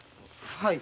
はい。